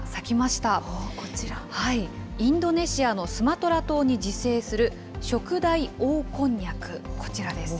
インドネシアのスマトラ島に自生するショクダイオオコンニャク、こちらです。